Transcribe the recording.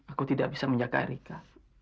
aku tidak bisa menjaga rika